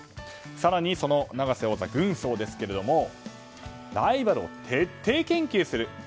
更に永瀬王座、軍曹ですけどもライバルを徹底研究する。